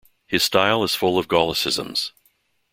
His style is full of Gallicisms.